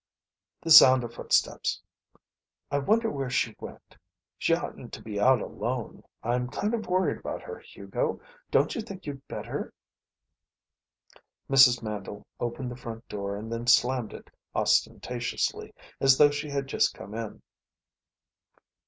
The sound of footsteps. "I wonder where she went. She oughtn't to be out alone. I'm kind of worried about her, Hugo. Don't you think you'd better " Ma Mandle opened the front door and then slammed it, ostentatiously, as though she had just come in.